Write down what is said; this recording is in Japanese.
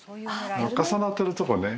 重なってるとこね。